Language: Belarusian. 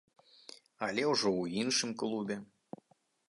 Але ўжо ў іншым клубе.